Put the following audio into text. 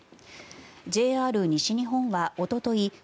ＪＲ西日本はおととい１７